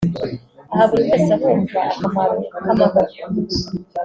aha buri wese arumva akamaro k’amahoro